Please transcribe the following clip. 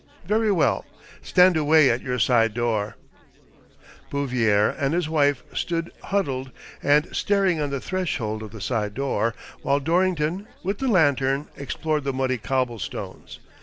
*' Very well. Stand away at your side door." Bouvier and his wife stood huddled and staring on the threshold of the side door, while Dorrington, with the lantern, explored the muddy cobble stones.